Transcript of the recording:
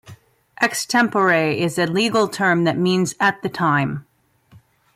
"Ex tempore" is a legal term that means 'at the time'.